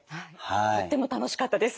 とっても楽しかったです。